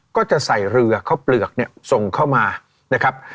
ก็จะใส่เรือข้าวเปลือกเนี่ยส่งเข้ามานะครับ